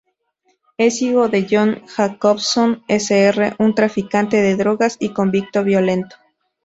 Es hijo de John Jacobson Sr., un traficante de drogas y convicto violento.